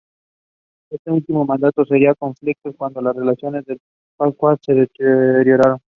Este último mandato sería de conflictos, cuando las relaciones con los Chickasaw se deterioraron.